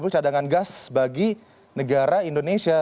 satu ratus tiga puluh cadangan gas bagi negara indonesia